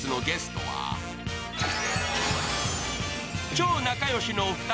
超仲良しのお二人。